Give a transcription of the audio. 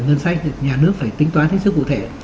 ngân sách nhà nước phải tính toán hết sức cụ thể